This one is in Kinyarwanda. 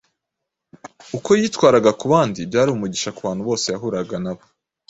Uko yitwaraga ku bandi byari umugisha ku bantu bose yahuraga nabo.